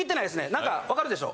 何かわかるでしょ？